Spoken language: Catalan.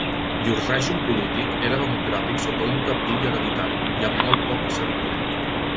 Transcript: Llur règim polític era democràtic sota un cabdill hereditari, i amb molt poc cerimonial.